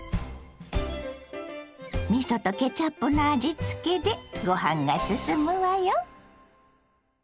みそとケチャップの味付けでご飯がすすむわよ。